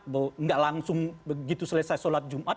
tidak langsung begitu selesai sholat jumat